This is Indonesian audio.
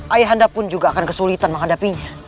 ayahanda pun juga akan kesulitan menghadapinya